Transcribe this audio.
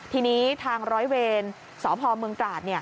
ทีนี้ทางร้อยเวรสพเมืองตราด